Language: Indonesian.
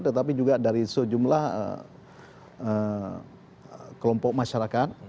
tetapi juga dari sejumlah kelompok masyarakat